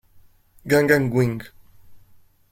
Gangan Wing